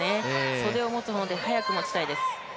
袖を持つ方で早く持ちたいです。